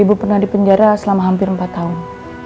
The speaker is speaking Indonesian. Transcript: ibu pernah dipenjara selama hampir empat tahun